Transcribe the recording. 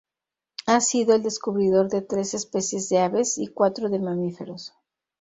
Ha sido el descubridor de tres especies de aves y cuatro de mamíferos.